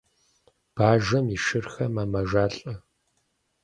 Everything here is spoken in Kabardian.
Бажэм и шырхэр мэмэжалӏэ.